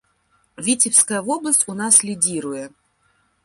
Віцебская вобласць у нас лідзіруе.